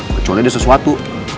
kecuali ada sesuatu